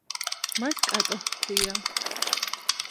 მას კატო ჰქვია.